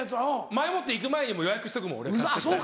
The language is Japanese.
前もって行く前にもう予約しとくもん俺絶対。